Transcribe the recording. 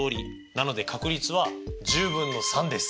なので確率は１０分の３です。